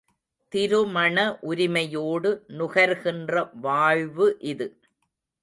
திருமண உரிமையோடு நுகர்கின்ற வாழ்வு இது.